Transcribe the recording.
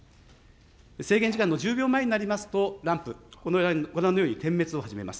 制限時間の１０秒前になりますと、ランプ、ご覧のように点滅を始めます。